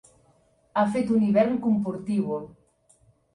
Ha fet un hivern comportívol.